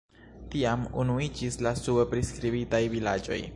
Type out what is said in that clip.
Tiam unuiĝis la sube priskribitaj vilaĝoj.